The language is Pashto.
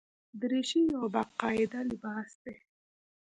دریشي یو باقاعده لباس دی.